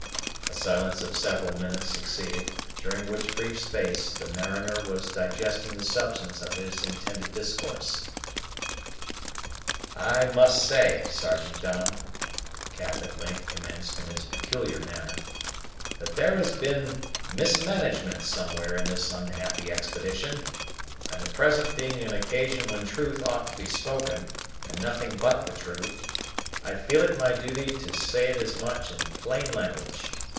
A silence of several minutes succeeded, during which brief space the mariner was digesting the substance of his intended discourse. "I must say, Sergeant Dunham," Cap at length commenced in his peculiar manner, "that there has been mismanagement somewhere in this unhappy expedition; and, the present being an occasion when truth ought to be spoken, and nothing but the truth, I feel it my duty to be say as much in plain language.